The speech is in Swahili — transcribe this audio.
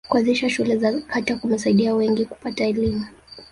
kuanzisha shule za kata kumesaidia wengi kupata elimu